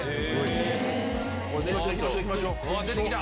出てきた！